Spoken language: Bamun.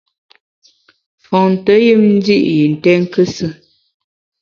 Fonte yùm ndi’ yi nté nkusù.